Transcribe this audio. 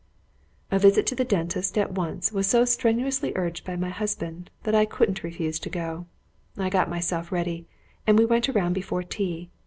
A visit to the dentist at once was so strenuously urged by my husband, that I couldn't refuse to go. I got myself ready, and we went around before tea.